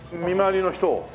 見回りの人を？